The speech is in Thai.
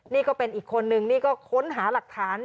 นี่ก็เป็นอีกคนนึงนี่ก็ค้นหาหลักฐาน